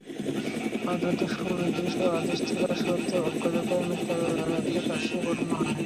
আদালতের সুনির্দিষ্ট আদেশ থাকা সত্ত্বেও অজ্ঞাত কারণে তাঁকে রাজশাহী পাঠানো হয়।